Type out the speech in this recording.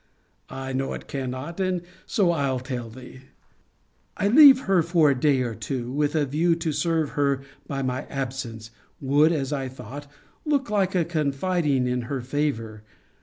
I know it cannot. And so I'll tell thee. To leave her for a day or two, with a view to serve her by my absence, would, as I thought, look like a confiding in her favour.